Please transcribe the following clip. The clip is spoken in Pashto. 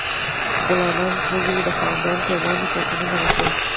غلامانو څو ځلې د خاوندانو پر وړاندې پاڅونونه وکړل.